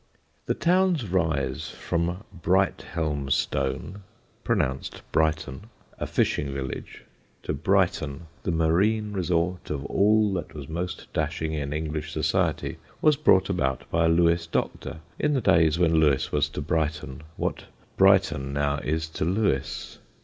The town's rise from Brighthelmstone (pronounced Brighton) a fishing village, to Brighton, the marine resort of all that was most dashing in English society, was brought about by a Lewes doctor in the days when Lewes was to Brighton what Brighton now is to Lewes.